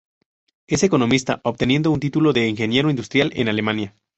Es economista, obteniendo un título de ingeniero industrial en Alemania.